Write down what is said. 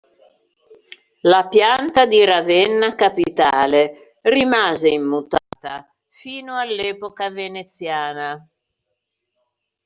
La pianta di Ravenna capitale rimase immutata fino all'epoca veneziana.